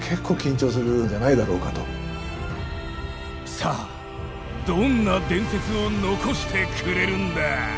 さあどんな伝説を残してくれるんだ！